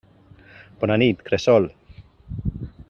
Bona nit, cresol.